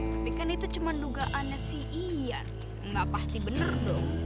tapi kan itu cuma dugaannya si ian gak pasti bener dong